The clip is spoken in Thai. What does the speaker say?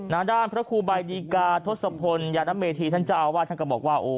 นาดาลพระครูบายดีกาธสพลยาตนเมธีท่านเจ้าว่า